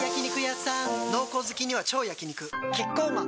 濃厚好きには超焼肉キッコーマン